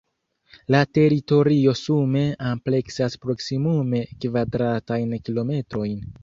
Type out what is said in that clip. La teritorio sume ampleksas proksimume kvadratajn kilometrojn.